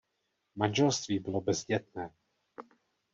Manželství bylo bezdětné.